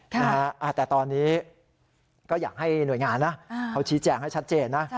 แต่ตอนนี้ก็อยากให้หน่วยงานนะเขาชี้แจงให้ชัดเจนนะ